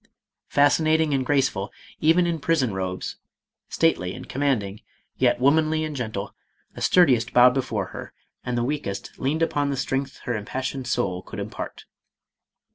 Fascinating and graceful even 518 MADAME ROLAND. in prison robes, stately and commanding, yet womanly and gentle, the sturdiest bowed before her, and the weakest leaned upon the strength her impassioned soul could impart.